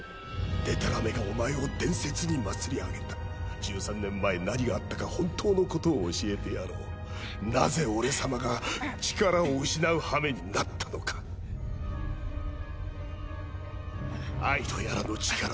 でたらめがお前を伝説に祭り上げた１３年前何があったか本当のことを教えてやろうなぜ俺様が力を失う羽目になったのか愛とやらの力だ